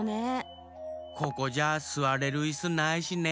ここじゃすわれるいすないしね。